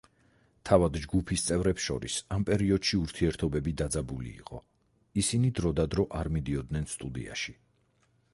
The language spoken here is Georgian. თავად ჯგუფის წევრებს შორის ამ პერიოდში ურთიერთობები დაძაბული იყო, ისინი დროდადრო არ მოდიოდნენ სტუდიაში.